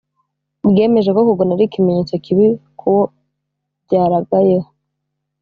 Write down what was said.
bwemeje ko kugona ari ikimenyetso kibi kuwo byaragayeho